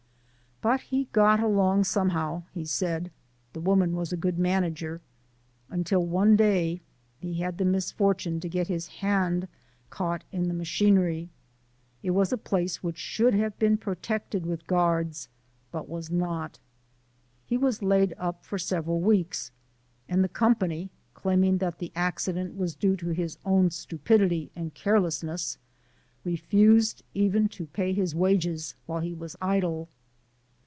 But he got along somehow, he said "the woman was a good manager" until one day he had the misfortune to get his hand caught in the machinery. It was a place which should have been protected with guards, but was not. He was laid up for several weeks, and the company, claiming that the accident was due to his own stupidity and carelessness, refused even to pay his wages while he was idle.